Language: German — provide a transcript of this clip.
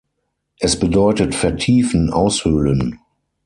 Es bedeutet „vertiefen, aushöhlen“.